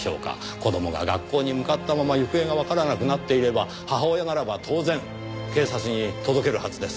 子供が学校に向かったまま行方がわからなくなっていれば母親ならば当然警察に届けるはずです。